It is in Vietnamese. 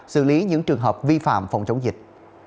xử lý những trường hợp vi phạm phòng chống dịch